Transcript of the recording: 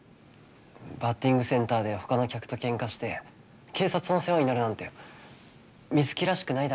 バッティングセンターでほかの客とケンカして警察の世話になるなんて水城らしくないだろ。